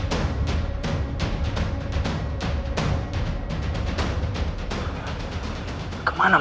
kami akan menang